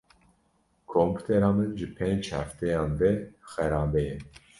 Kompûtera min ji pênc hefteyan ve xerabe ye.